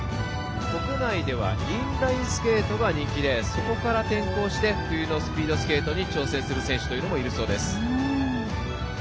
国内ではインラインスケートが人気でそこから転向して冬のスピードスケートに挑戦する選手もいるそうです。